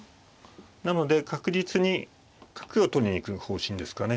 なので確実に角を取りに行く方針ですかね。